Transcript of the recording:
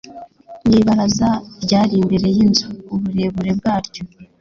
n ibaraza ryari imbere y inzu uburebure bwaryo